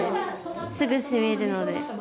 すぐしみるので。